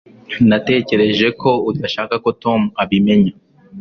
natekereje ko udashaka ko tom abimenya